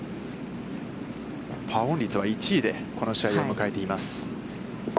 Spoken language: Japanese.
パーオン率は１位で、この試合を迎えています。